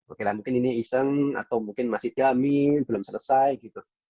oke lah mungkin ini iseng atau mungkin masih domin belum selesai gitu